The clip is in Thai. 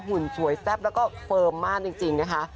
หุ่นสวยแซ่บแล้วก็เฟิร์มมากจริงนะคะ